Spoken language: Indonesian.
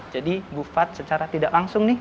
jadi bufat secara tidak langsung nih